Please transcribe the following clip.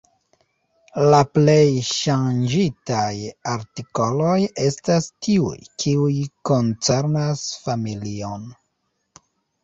La plej ŝanĝitaj artikoloj estas tiuj, kiuj koncernas familion.